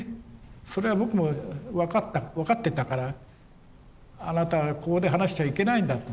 それは僕も分かった分かっていたからあなたはここで話しちゃいけないんだと。